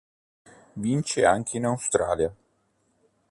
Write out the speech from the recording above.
Vince anche in Australia.